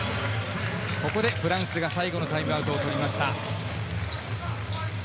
ここでフランスが最後のタイムアウトを取りました。